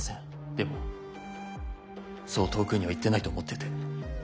でもそう遠くには行ってないと思ってて。